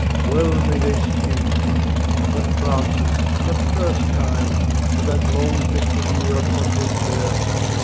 Well may they speak! That Francis, that first time, And that long festal year at Fontainebleau!